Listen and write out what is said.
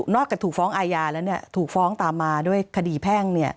จากถูกฟ้องอาญาแล้วถูกฟ้องตามมาด้วยคดีแพ่ง